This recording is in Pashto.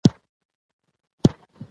تحقیقي ثبوت وړاندې کوي چې مور يې ویلې وه.